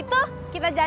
untuk teman saya